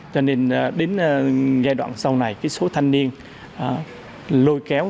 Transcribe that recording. cho nên đến giai đoạn sau này số thanh niên lôi kéo